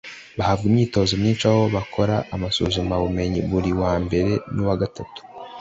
bahabwa imyitozo myinshi aho bakora amasuzumabumenyi buri wa mbere n’uwa gatanu